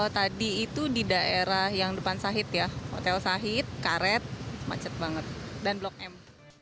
tadi itu di daerah yang depan sahit ya hotel sahit karet macet banget dan blok m